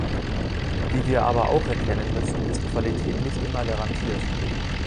Wie wir aber auch erkennen müssen, ist Qualität nicht immer garantiert.